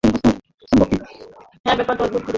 হ্যাঁ, ব্যাপারটা অদ্ভূত ঠেকছে।